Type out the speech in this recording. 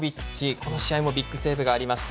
この試合もビッグセーブがありました。